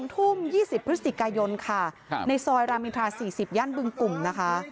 ทุ่ม๒๐พฤศจิกายนค่ะในซอยรามอินทรา๔๐ย่านบึงกลุ่มนะคะ